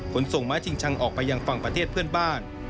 ขนส่งม้าชิงชังออกไปยังฝั่งประเทศเพื่อนบ้าน